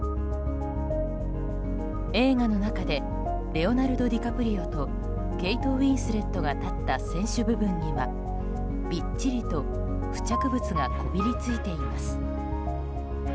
映画の中でレオナルド・ディカプリオとケイト・ウィンスレットが立った船首部分にはびっちりと付着物がこびりついています。